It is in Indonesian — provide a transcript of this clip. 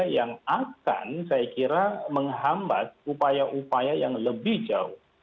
yang akan saya kira menghambat upaya upaya yang lebih jauh